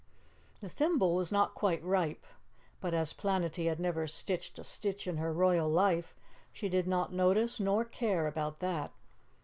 The thimble was not quite ripe, but as Planetty had never stitched a stitch in her royal life, she did not notice nor care about that.